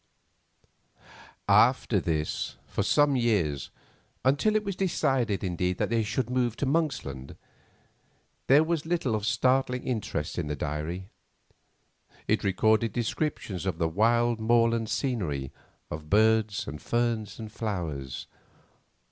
After this, for some years—until it was decided, indeed, that they should move to Monksland—there was little of startling interest in the diary. It recorded descriptions of the wild moorland scenery, of birds, and ferns, and flowers.